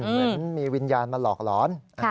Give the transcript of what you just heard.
เหมือนมีวิญญาณมาหลอกหลอน